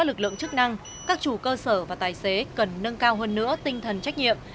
lực lượng chức năng các chủ cơ sở và tài xế cần nâng cao hơn nữa tinh thần trách nhiệm